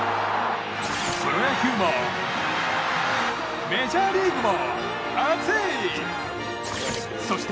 プロ野球も、メジャーリーグも！